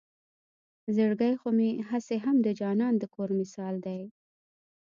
زړګے خو مې هم هسې د جانان د کور مثال دے